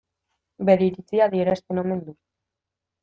Bere iritzia adierazten omen du.